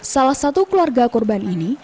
salah satu keluarga korban ini